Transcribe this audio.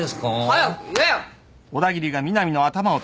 早く言えよ。